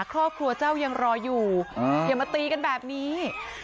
ครอบครัวเจ้ายังรออยู่อย่ามาตีกันแบบนี้